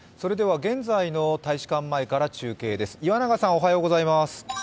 現在の大使館前から中継です。